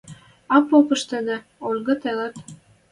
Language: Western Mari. А попыш тӹдӹ, Ольга, тӹлӓт